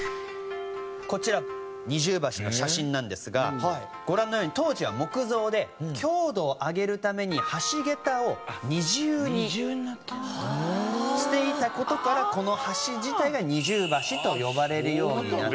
こちら二重橋の写真なんですがご覧のように当時は木造で強度を上げるために橋げたを二重にしていた事からこの橋自体が二重橋と呼ばれるようになった。